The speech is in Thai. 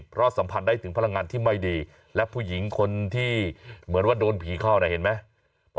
เพราะสัมผัสได้ถึงพลังงานที่ไม่ดีและผู้หญิงคนที่เหมือนว่าโดนผีเข้าเนี่ยเห็นไหม